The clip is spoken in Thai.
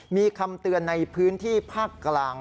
มีคำเตือนในพื้นที่ภาคกลาง